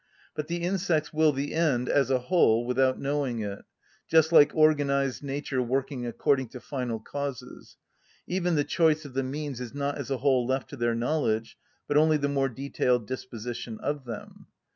But the insects will the end as a whole without knowing it; just like organised nature working according to final causes; even the choice of the means is not as a whole left to their knowledge, but only the more detailed disposition of them.